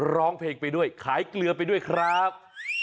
ร้องเพลงไปด้วยขายเกลือไปด้วยครับ